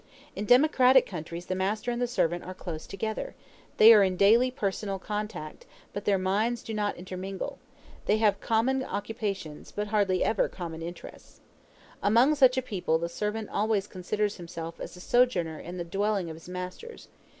In democratic countries the master and the servant are close together; they are in daily personal contact, but their minds do not intermingle; they have common occupations, hardly ever common interests. Amongst such a people the servant always considers himself as a sojourner in the dwelling of his masters.